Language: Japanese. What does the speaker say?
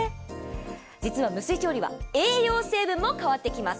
実は無水調理は栄養成分も変わってきます。